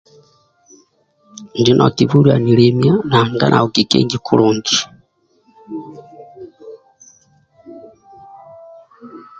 Injo kibulio anilemiya nanga nau kikengi